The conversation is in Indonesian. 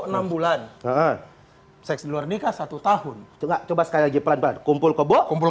enam bulan seks di luar nikah satu tahun tengah coba sekali lagi pelan pelan kumpul kebok kumpul